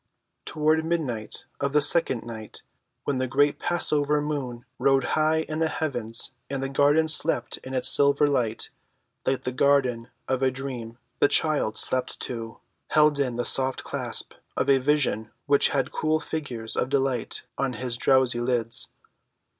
Toward midnight of the second night, when the great passover moon rode high in the heavens and the garden slept in its silver light like the garden of a dream, the child slept, too, held in the soft clasp of a vision which laid cool fingers of delight on his drowsy lids.